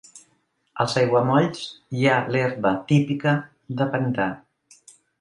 Als aiguamolls hi ha l'herba típica de pantà.